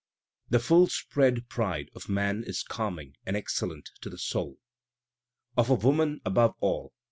*'* The full spread pride of man is calming and excellent to the soul,' "Of a woman above all.